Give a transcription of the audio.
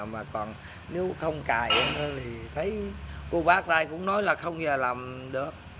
mà còn nếu không cài thì thấy cô bác đây cũng nói là không giờ làm được